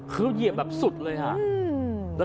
กิสแบบสุดเลยฮะ